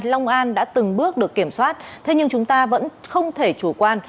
long an đã từng bước được kiểm soát thế nhưng chúng ta vẫn không thể chủ quan